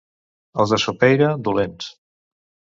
Els de Sopeira, dolents.